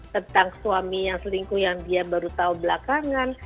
tentang suami yang selingkuh yang dia baru tahu belakangan